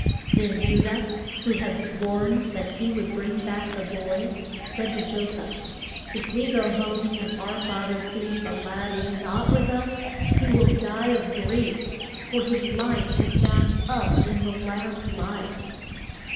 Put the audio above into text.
Then Ju dah, who had sworn that he would bring back the boy, said to Jo seph: If we go home, and our fath er sees the lad is not with us, he will die of grief. For his life is bound up in the lad's life.